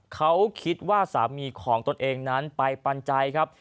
เขาคิดว่าสามีของตนเองนั้นไปปันใจครับ